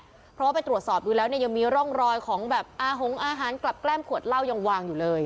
เพราะว่าไปตรวจสอบดูแล้วเนี่ยยังมีร่องรอยของแบบอาหงอาหารกลับแก้มขวดเหล้ายังวางอยู่เลย